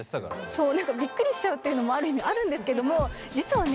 そうびっくりしちゃうっていうのもある意味あるんですけども実はね